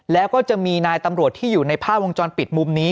แล้วก็จะมีนายตำรวจที่อยู่ในภาพวงจรปิดมุมนี้